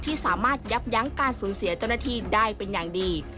ที่สามารถยับยั้งการสูญเสียเจ้าหน้าที่ได้เป็นอย่างดี